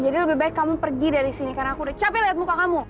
jadi lebih baik kamu pergi dari sini karena aku udah capek lihat muka kamu